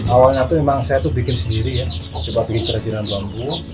awalnya itu memang saya tuh bikin sendiri ya coba bikin kerajinan bambu